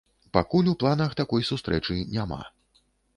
Пакуль у планах такой сустрэчы няма.